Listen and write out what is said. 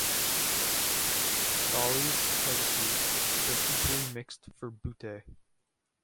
Daly's legacy was equally mixed for Butte.